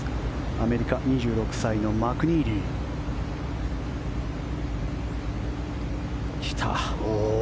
アメリカ、２６歳のマクニーリー。来た。